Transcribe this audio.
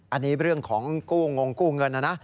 อันนี้เรื่องของกู้งงกู้เงินนะนะ